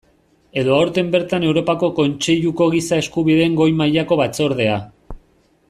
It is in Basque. Edo aurten bertan Europako Kontseiluko Giza Eskubideen Goi mailako Batzordea.